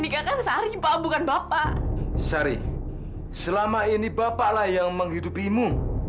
nikahkan sari pak bukan bapak sari selama ini bapaklah yang menghidupimu